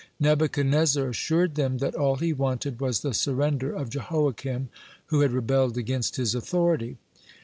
Nebuchadnezzar assured them, that all he wanted was the surrender of Jehoiakim, who had rebelled against his authority.